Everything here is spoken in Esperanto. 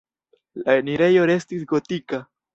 La enirejo restis gotika.